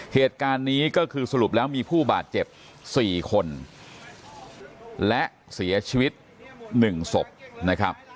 เหตุการณ์นี้ก็คือสรุปแล้วมีผู้บาดเจ็บ๔คนและเสียชีวิต๑ศพนะครับ